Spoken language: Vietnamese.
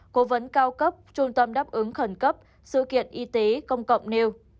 cố vấn cao cấp trung tâm đáp ứng khẩn cấp sự kiện y tế công cộng nêu